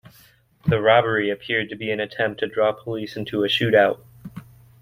The robbery appeared to be an attempt to draw police into a shootout.